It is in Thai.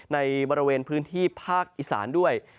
ในบริเวณพื้นที่ภาคอีสานด้วย